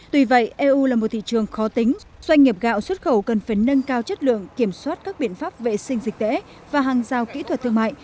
tuy vậy eu là một thị trường khó tính doanh nghiệp gạo xuất khẩu cần phải nâng cao chất lượng kiểm soát các biện pháp vệ sinh dịch tễ và hàng giao kỹ thuật thương mại